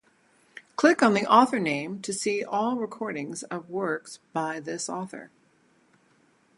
Click on the author name to see all recordings of works by this author.